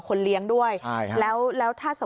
คนเลี้ยงไว้